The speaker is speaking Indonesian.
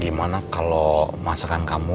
gimana kalau masakan kamu